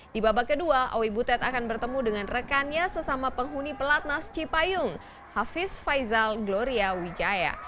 di babak kedua owi butet akan bertemu dengan rekannya sesama penghuni pelatnas cipayung hafiz faizal gloria wijaya